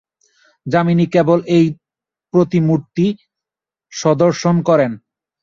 যামিনী কেবল সেই প্রতিমূর্তি সন্দর্শন করেন।